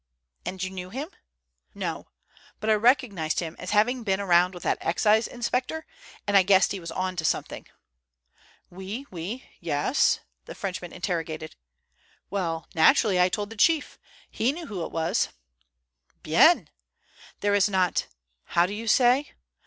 "And you knew him?" "No, but I recognized him as having been around with that Excise inspector, and I guessed he was on to something." "Oui, oui. Yes?" the Frenchman interrogated. "Well, naturally I told the chief. He knew who it was." "Bien! There is not—how do you say?